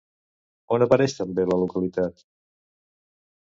On apareix també la localitat?